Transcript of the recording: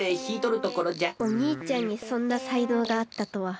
おにいちゃんにそんなさいのうがあったとは。